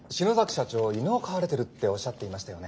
社長犬を飼われてるっておっしゃっていましたよね？